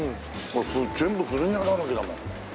全部古着屋だらけだもん。